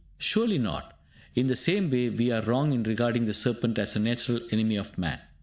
Surely not. In the same way, we are wrong in regarding the serpent as a natural enemy of man.